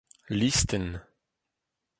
Listenn